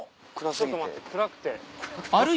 ちょっと待って暗くて。